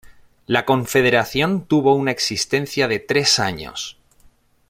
La confederación tuvo una existencia de tres años.